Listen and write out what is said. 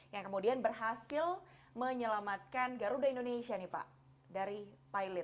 yang kemudian berhasil menyelamatkan garuda indonesia nih pak dari pilot